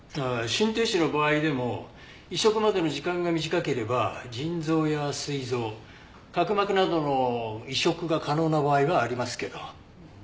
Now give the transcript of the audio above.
心停止の場合でも移植までの時間が短ければ腎臓や膵臓角膜などの移植が可能な場合はありますけど。